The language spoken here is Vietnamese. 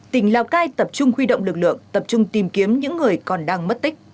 tỉnh lào cai tập trung huy động lực lượng tập trung tìm kiếm những người còn đang mất tích